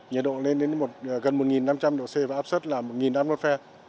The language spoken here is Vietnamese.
nhiệt độ lên đến gần một nghìn năm trăm linh độ c và áp sất là một nghìn năm trăm linh phe